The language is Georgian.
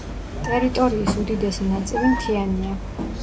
ტერიტორიის უდიდესი ნაწილი მთიანია.